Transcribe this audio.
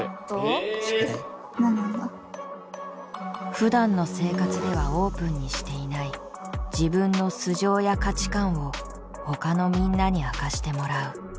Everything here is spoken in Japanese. ふだんの生活ではオープンにしていない自分の素性や価値観をほかのみんなに明かしてもらう。